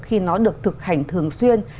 khi nó được thực hành thường xuyên